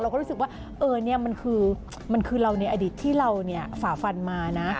เราก็รู้สึกว่าเออนี่มันคือเราในอดิจที่เราฝาฝันมานะ